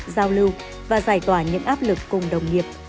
giao lưu và giải tỏa những áp lực cùng đồng nghiệp